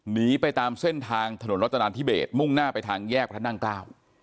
หนีไปตามเส้นทางถนนรถดันที่เบสมุ่งหน้าไปทางแยกพระท่านท่านกล้าว